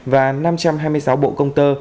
và năm trăm hai mươi sáu bộ công tơ